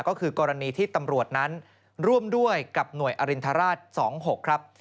ก็คือกรณีที่ตำรวจนั้นร่วมด้วยกับหน่วยอรินทราช๒๖ครับ